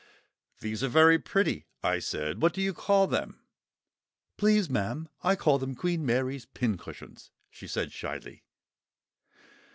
"These are very pretty," I said. "What do you call them?" "Please, ma'am, I call them 'Queen Mary's Pincushions,'" she said shyly.